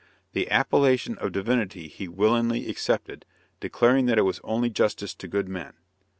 The appellation of divinity he willingly accepted, declaring that it was only justice to good men.